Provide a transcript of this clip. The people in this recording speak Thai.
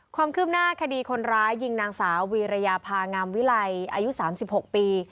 ความคืบหน้าคดีคนร้ายยิงนางสาววีรยาภางามวิไลอายุ๓๖ปี